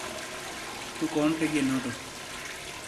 تو کونٹے گئیے نوٹو۔